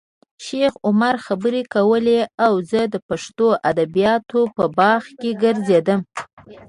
شیخ عمر خبرې کولې او زه د پښتو ادبیاتو په باغ کې ګرځېدم.